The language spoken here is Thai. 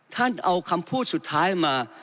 ท่านเอาคำพูดสุดท้ายมา